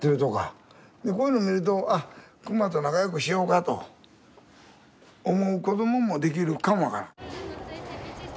でこういうの見ると「あっ熊と仲良くしようか」と思う子どももできるかも分からん。